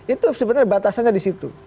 itu sebenarnya batasannya di situ